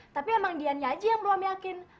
tapi emang dianya aja yang belum yakin